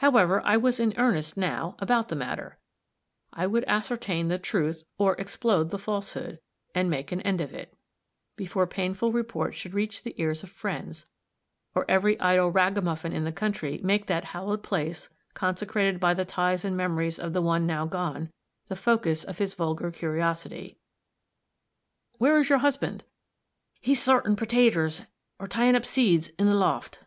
However, I was in earnest, now, about the matter; I would ascertain the truth or explode the falsehood, and make an end of it, before painful reports should reach the ears of friends, or every idle ragamuffin in the country make that hallowed place, consecrated by the ties and memories of the one now gone, the focus of his vulgar curiosity. "Where is your husband?" "He's sortin' pertaters, or tyin' up seeds, in the loft."